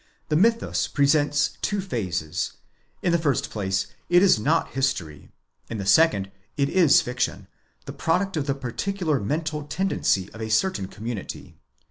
The mythus presents two phases: in the first place it is not history ; in the second it is fiction, the product of the particular mental tendency of a certain community.